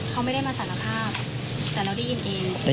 เขาไม่ได้มาสารภาพแต่เราได้ยินเอง